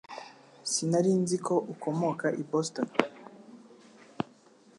Sinari nzi ko ukomoka i Boston